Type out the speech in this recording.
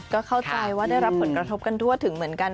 ก็เข้าใจว่าได้รับผลกระทบกันทั่วถึงเหมือนกัน